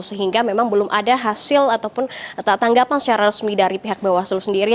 sehingga memang belum ada hasil ataupun tanggapan secara resmi dari pihak bawaslu sendiri